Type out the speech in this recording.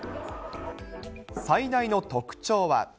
最大の特徴は。